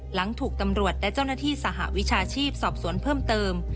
หลังถูกตำรวจและเจ้าหน้าที่สหวิชาชีพสอบสวนเพิ่มเติม